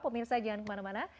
pemirsa jangan kemana mana